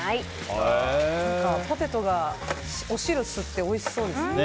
ポテトがお汁吸っておいしそうですね。